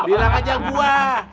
bilang aja gua